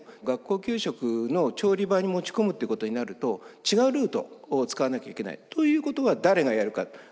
学校給食の調理場に持ち込むっていうことになると違うルートを使わなきゃいけない。ということは誰がやるか。